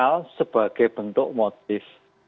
hal sebagai bentuk motif